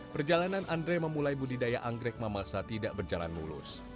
perjalanan andre memulai budidaya anggrek mamasa tidak berjalan mulus